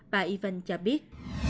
và ivan cho biết